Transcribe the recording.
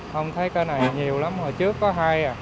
không thấy cái này nhiều lắm hồi trước có hai à